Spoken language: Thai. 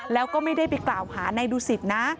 แล้วก็ไม่ได้ไปกล่าวหานายดูสิตนะ